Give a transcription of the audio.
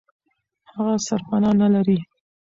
هغه سرپنا نه لري.